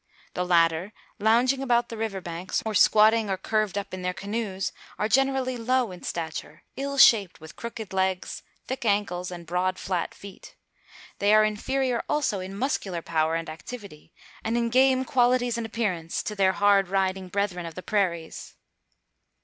The latter, lounging about the river banks, or squatting or curved up in their canoes, are generally low in stature, ill shaped, with crooked legs, thick ankles, and broad flat feet. They are inferior also in muscular power and activity, and in game qualities and appearance, to their hard riding brethren of the prairies."